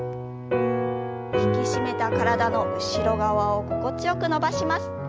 引き締めた体の後ろ側を心地よく伸ばします。